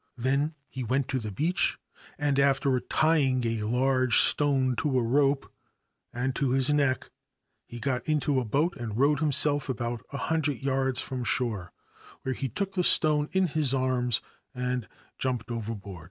Then he went to the beach, and, after tying a large stone to a rope and to his neck, he got into a boat and rowed himself about a hundred yards from shore, where he took the stone in his arms and jumped overboard.